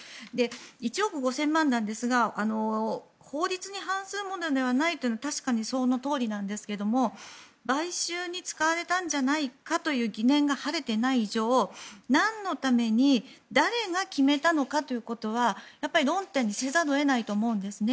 １億５０００万円なんですが法律に反するものではないというのは確かにそのとおりなんですけど買収に使われたんじゃないかという疑念が晴れていない以上なんのために誰が決めたのかということはやっぱり論点にせざるを得ないと思うんですね。